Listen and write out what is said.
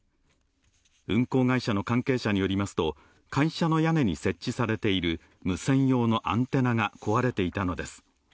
運航会社の関係者によりますと会社の屋根に設置されている無線用のアンテナが壊れていたのです。